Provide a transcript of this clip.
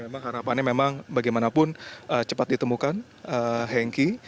memang harapannya memang bagaimanapun cepat ditemukan henki